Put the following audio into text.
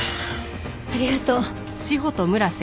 ありがとう。